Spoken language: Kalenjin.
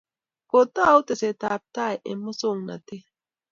kotau teset tab tai eng musongnotet